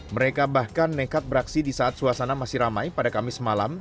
mereka bahkan nekat beraksi di saat suasana masih ramai pada kamis malam